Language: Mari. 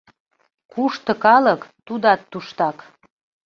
Кушто калык, тудат туштак.